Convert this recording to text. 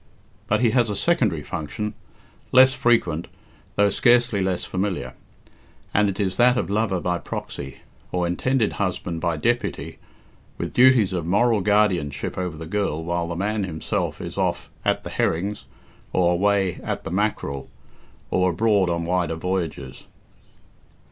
But he has a secondary function, less frequent, though scarcely less familiar; and it is that of lover by proxy, or intended husband by deputy, with duties of moral guardianship over the girl while the man himself is off "at the herrings," or away "at the mackerel," or abroad on wider voyages.